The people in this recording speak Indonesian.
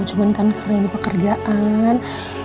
cuman kan kalian pekerjaan